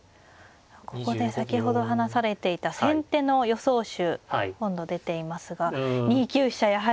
ここで先ほど話されていた先手の予想手今度出ていますが２九飛車やはり。